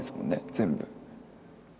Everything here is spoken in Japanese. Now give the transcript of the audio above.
全部。